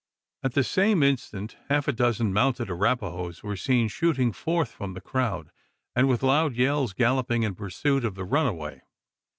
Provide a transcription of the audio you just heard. At the same instant, half a dozen mounted Arapahoes were seen shooting forth from the crowd, and with loud yells galloping in pursuit of the runaway!